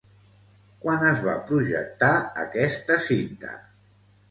Quan es va projectar aquesta cinta?